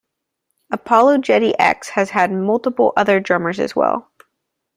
ApologetiX has had multiple other drummers as well.